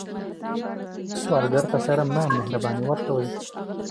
سوالګر ته شرم نه، مهرباني ورکوئ